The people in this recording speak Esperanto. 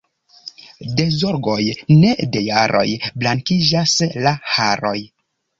De zorgoj, ne de jaroj, blankiĝas la haroj.